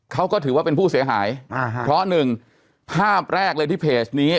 เขาก็ถือว่าเป็นผู้เสียหายอ่าฮะเพราะหนึ่งภาพแรกเลยที่เพจนี้